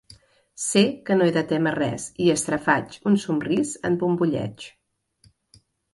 Sé que no he de témer res i estrafaig un somrís en bombolleig.